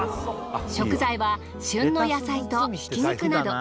食材は旬の野菜と挽き肉など。